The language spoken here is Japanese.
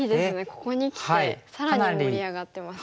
ここにきて更に盛り上がってますね。